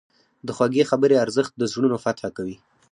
د خوږې خبرې ارزښت د زړونو فتح کوي.